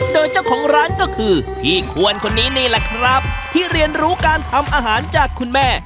โดยเจ้าของร้านก็คือพี่ควรคนนี้นี่แหละครับที่เรียนรู้การทำอาหารจากคุณแม่